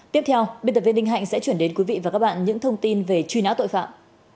tiếp theo biên tập viên ninh hạnh sẽ chuyển đến quý vị và các bạn những thông tin về truy nã tội phạm